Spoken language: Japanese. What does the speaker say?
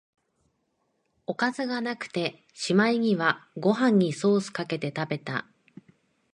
おかずがなくて、しまいにはご飯にソースかけて食べた